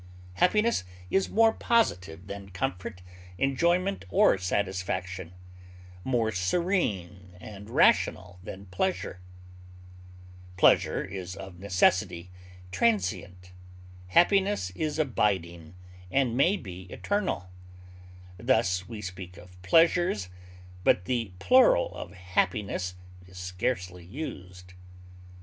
Happiness is more positive than comfort, enjoyment, or satisfaction, more serene and rational than pleasure; pleasure is of necessity transient; happiness is abiding, and may be eternal; thus, we speak of pleasures, but the plural of happiness is scarcely used.